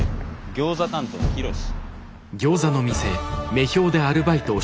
ギョーザ担当のヒロシ。